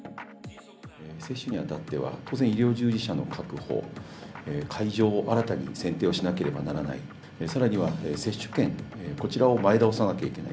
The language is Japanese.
接種にあたっては、当然医療従事者の確保、会場を新たに選定をしなければならない、さらには接種券、こちらを前倒さなきゃいけない。